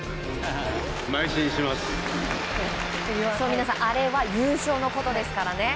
皆さん、あれは優勝のことですからね。